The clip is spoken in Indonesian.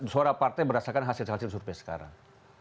ketiga suara partai berasakan hasil hasil survei sekarang